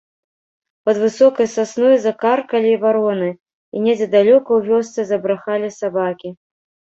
Пад высокай сасной закаркалі вароны, і недзе далёка ў вёсцы забрахалі сабакі.